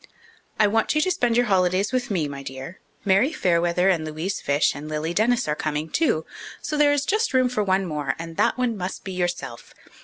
_I want you to spend your holidays with me, my dear. Mary Fairweather and Louise Fyshe and Lily Dennis are coming, too. So there is just room for one more, and that one must be yourself.